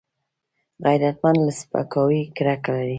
غیرتمند له سپکاوي کرکه لري